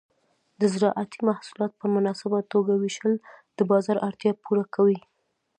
د زراعتي محصولات په مناسبه توګه ویشل د بازار اړتیا پوره کوي.